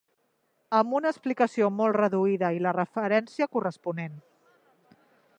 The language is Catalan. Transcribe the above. Amb una explicació molt reduïda i la referència corresponent.